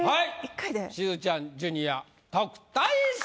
しずちゃんジュニア特待生！